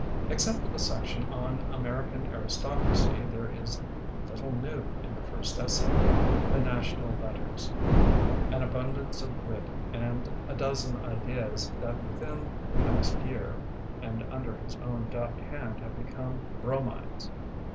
Except for the section on American aristocracy there is little new in the first essay "The National Letters": an abundance of wit and a dozen ideas that within the past year and under his own deft hand have become bro 80 THE BOOKMAN mides.